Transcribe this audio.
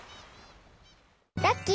ラッキー！